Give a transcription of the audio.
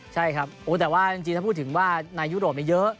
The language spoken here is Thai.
ใช่ครับแต่ว่าจริงถ้าพูดถึงว่าในยุโรปมีเยอะ